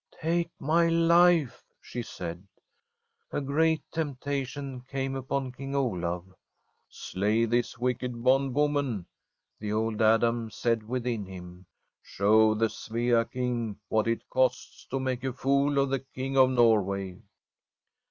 * Take my life/ she said. A great temptation came upon King Olaf. ' Slay this wicked bondwoman,' the old Adam said within him. ' Show the Svea King what it costs to make a fool of the King of Norway.'